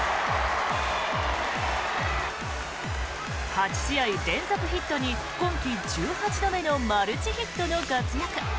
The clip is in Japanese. ８試合連続ヒットに今季１８度目のマルチヒットの活躍。